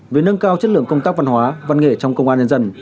về nâng cao chất lượng công tác văn hóa văn nghệ trong công an nhân dân